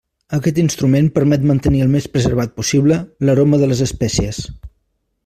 Aquest instrument permet mantenir el més preservat possible l'aroma de les espècies.